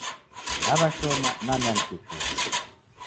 Naw'ashoma na niandike chuonyi.